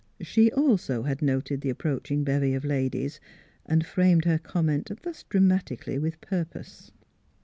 She also had noted the approaching bevy of ladies, and framed her comment thus dramatically with purpose.